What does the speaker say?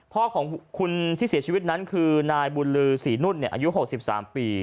พ่อของคุณที่เสียชีวิตนั้นคือนายบุญลือศรีนุ่นอายุ๖๓ปี